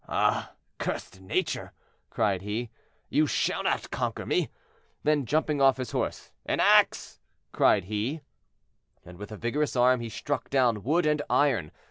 "Ah, cursed nature," cried he, "you shall not conquer me!" Then, jumping off his horse, "An ax!" cried he, and with a vigorous arm he struck down wood and iron.